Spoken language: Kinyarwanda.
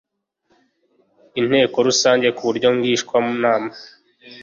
inteko rusange ku buryo ngishwanama